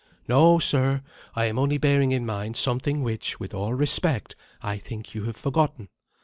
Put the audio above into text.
"No, sir. I am only bearing in mind something which with all respect I think you have forgotten.